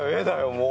もう。